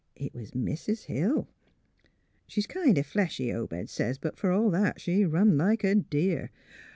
It was Mis' Hill. She's kind of fleshy, Obed says, but fer all that she run like a deer.